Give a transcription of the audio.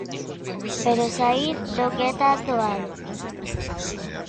Pero saír non é tan doado.